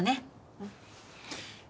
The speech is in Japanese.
うん？